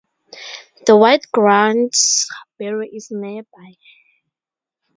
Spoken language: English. The Whitegrounds barrow is nearby.